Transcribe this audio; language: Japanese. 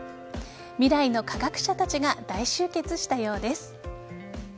未来の科学者たちが大集結したようです。